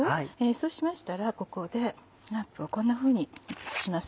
そうしましたらここでラップをこんなふうにします。